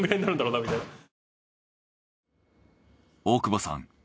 大久保さん